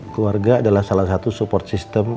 keluarga adalah salah satu support system